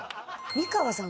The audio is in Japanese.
美川さん。